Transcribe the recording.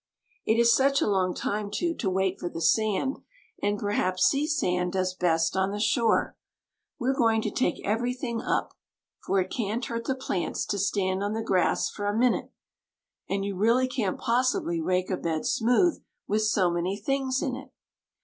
It is such a long time, too, to wait for the sand, and perhaps sea sand does best on the shore. We're going to take everything up, for it can't hurt the plants to stand on the grass for a minute, And you really can't possibly rake a bed smooth with so many things in it.